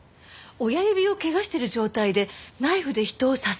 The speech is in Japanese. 親指を怪我してる状態でナイフで人を刺せる？